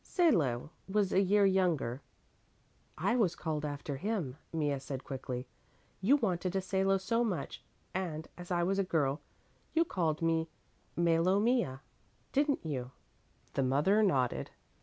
"Salo was a year younger " "I was called after him," Mea said quickly. "You wanted a Salo so much and, as I was a girl, you called me Malomea, didn't you?" The mother nodded.